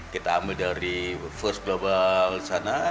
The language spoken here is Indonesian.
kita ambil dari first global sana